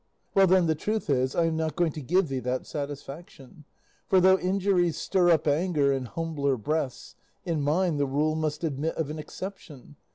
Well then, the truth is, I am not going to give thee that satisfaction; for, though injuries stir up anger in humbler breasts, in mine the rule must admit of an exception.